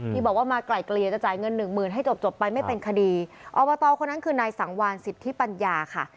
ที่บอกว่ามาไกลเกลี่ยจะจ่ายเงินหนึ่งหมื่นให้จบจบไปไม่เป็นคดีอบตคนนั้นคือนายสังวานสิทธิปัญญาค่ะ